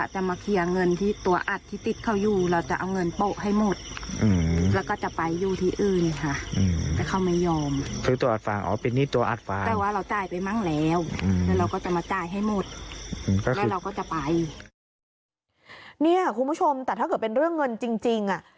คุณผู้ชมแต่ถ้าเกิดเป็นเรื่องเงินจริงอ่ะ